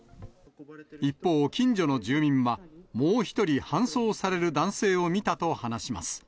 一方、近所の住民は、もう１人搬送される男性を見たと話します。